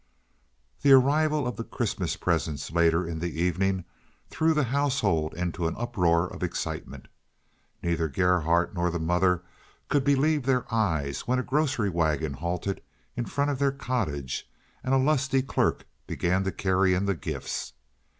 The arrival of the Christmas presents later in the evening threw the household into an uproar of excitement. Neither Gerhardt nor the mother could believe their eyes when a grocery wagon halted in front of their cottage and a lusty clerk began to carry in the gifts.